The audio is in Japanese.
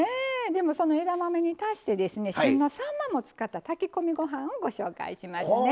でもその枝豆に足してですね旬のさんまも使った炊き込みご飯をご紹介しますね。